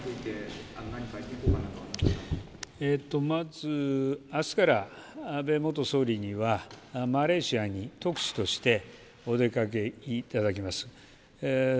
まずあすから、安倍元総理には、マレーシアに特使としてお出かけいただきます。